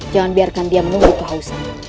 jangan biarkan dia menunggu kehausan